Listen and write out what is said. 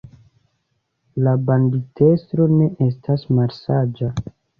La banditestro ne estis malsaĝa.